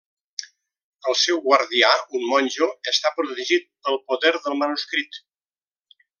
El seu guardià, un monjo, està protegit pel poder del manuscrit.